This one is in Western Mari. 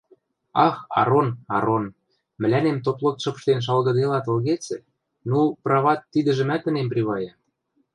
Ах, Арон, Арон, мӹлӓнем топлот шыпштен шалгыделат ылгецӹ, ну, прават, тидӹжӹмӓт ӹнем привайы.